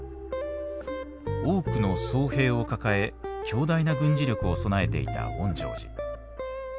多くの僧兵を抱え強大な軍事力を備えていた園城寺。